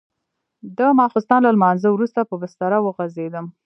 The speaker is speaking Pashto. د ماخستن له لمانځه وروسته په بستره وغځېدم.